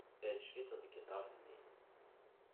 Teɛjeb-iten tgiṭart-nni.